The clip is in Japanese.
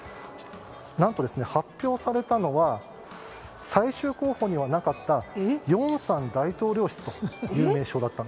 何と、発表されたのは最終候補にはなかったヨンサン大統領室というものでした。